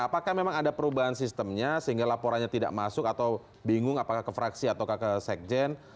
apakah memang ada perubahan sistemnya sehingga laporannya tidak masuk atau bingung apakah ke fraksi atau ke sekjen